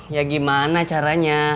ya gimana caranya